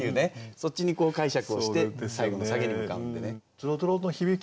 そっちに解釈をして最後のサゲに向かうんでね。